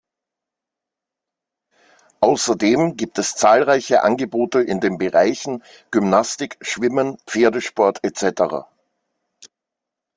Außerdem gibt es zahlreiche Angebote in den Bereichen Gymnastik, Schwimmen, Pferdesport etc.